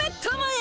え？